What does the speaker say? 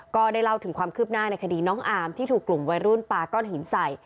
ก็ได้เล่าถึงความคืบหน้าในคดีน้องอาร์มที่ถูกกลุ่มวัยรุ่นปลาก้อนหินใส่